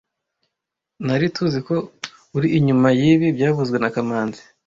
Nari tuziko uri inyuma yibi byavuzwe na kamanzi